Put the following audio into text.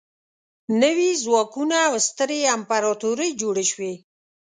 نوي ځواکونه او سترې امپراطورۍ جوړې شوې.